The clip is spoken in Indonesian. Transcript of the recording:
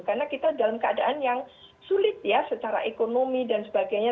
karena kita dalam keadaan yang sulit ya secara ekonomi dan sebagainya